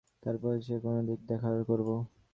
তারপর যে-কোন দিন দেখা করব।